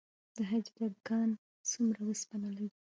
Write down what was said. د حاجي ګک کان څومره وسپنه لري؟